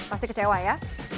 pasti kecewa ya